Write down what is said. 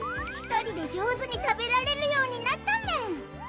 １人で上手に食べられるようになったメン